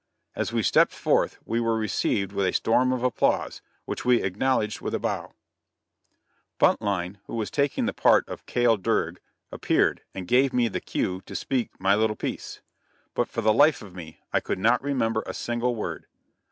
As we stepped forth we were received with a storm of applause, which we acknowledged with a bow. [Illustration: BEHIND THE FOOTLIGHTS.] Buntline, who was taking the part of "Cale Durg," appeared, and gave me the "cue" to speak "my little piece," but for the life of me I could not remember a single word.